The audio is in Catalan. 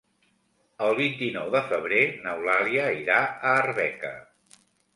El vint-i-nou de febrer n'Eulàlia irà a Arbeca.